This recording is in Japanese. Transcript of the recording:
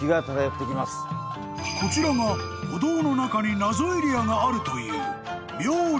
［こちらがお堂の中に謎エリアがあるという］